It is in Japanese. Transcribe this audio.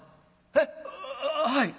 「えっ？はい」。